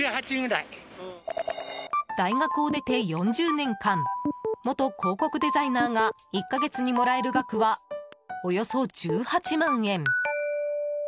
大学を出て４０年間元広告デザイナーが１か月にもらえる額はおよそ１８万円。